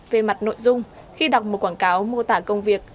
về mặt nội dung khi đọc một quảng cáo mô tả công việc